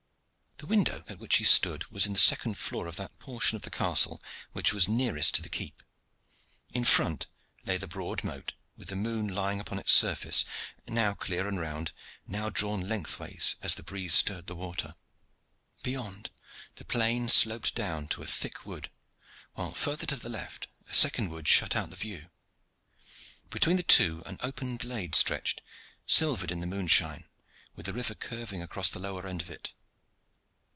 The window at which he stood was in the second floor of that portion of the castle which was nearest to the keep. In front lay the broad moat, with the moon lying upon its surface, now clear and round, now drawn lengthwise as the breeze stirred the waters. Beyond, the plain sloped down to a thick wood, while further to the left a second wood shut out the view. Between the two an open glade stretched, silvered in the moonshine, with the river curving across the lower end of it.